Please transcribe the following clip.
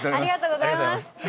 ありがとうございます。